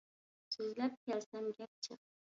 سۆزلەپ كەلسەم گەپ جىق!